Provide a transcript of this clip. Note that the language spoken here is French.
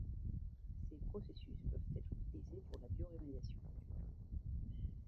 Ces processus peuvent être utilisés pour la bioremédiation.